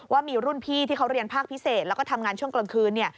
ว่ามีรุ่นพี่ที่เขาเรียนภาคพิเศษแล้วก็ทำงานช่วงกลางคืน